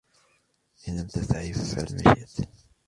إن لم تستحي فافعل ما تشاء.